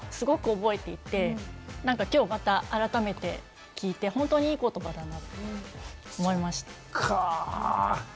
すごく覚えていて、きょうまた改めて聞いて本当にいい言葉だなと思いました。